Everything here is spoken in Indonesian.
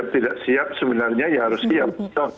tidak siap sebenarnya ya harus siap